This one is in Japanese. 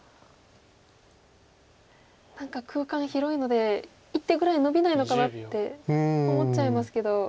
何か空間広いので１手ぐらいのびないのかなって思っちゃいますけど。